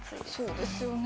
そうですよね。